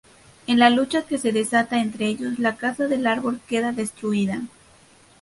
En la lucha que se desata entre ellos, la casa del árbol queda destruida.